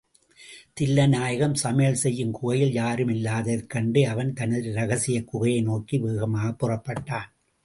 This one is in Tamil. தில்லை நாயகம் சமையல் செய்யும் குகையில் யாருமில்லாததைக் கண்டு அவன் தனது ரகசியக் குகையை நோக்கி வேகமாகப் புறப்பட்டான்.